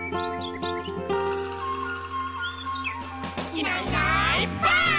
「いないいないばあっ！」